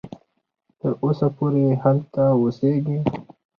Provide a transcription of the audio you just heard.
تر اوسه پوري هلته اوسیږي.